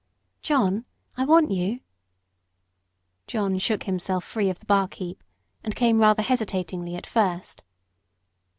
"John, I want you." John shook himself free of the bark heap, and came rather hesitatingly at first.